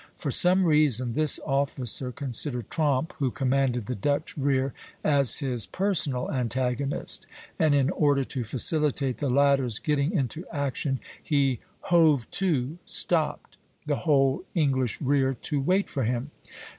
For some reason this officer considered Tromp, who commanded the Dutch rear, as his personal antagonist, and in order to facilitate the latter's getting into action, he hove to (stopped) the whole English rear to wait for him.